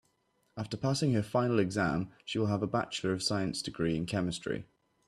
After passing her final exam she will have a bachelor of science degree in chemistry.